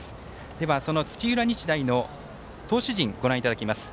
では土浦日大の投手陣ご覧いただきます。